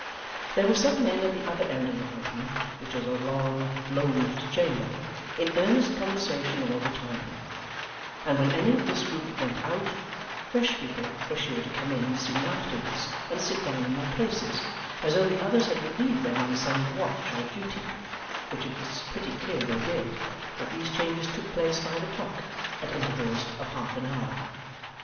There were some men at the other end of the room (which was a long, low roofed chamber) in earnest conversation all the time; and when any of this group went out, fresh people were sure to come in soon afterwards and sit down in their places, as though the others had relieved them on some watch or duty; which it was pretty clear they did, for these changes took place by the clock, at intervals of half an hour.